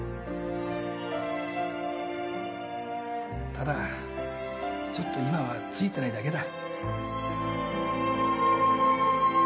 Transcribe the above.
ただちょっと今はついてないだけだ。